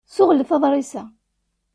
Ssuɣlet aḍṛis-a.